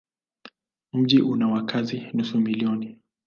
Mji una wakazi nusu milioni.